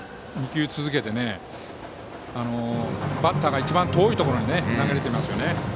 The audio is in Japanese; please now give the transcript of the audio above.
２球続けてバッターが一番遠いところに投げられていますよね。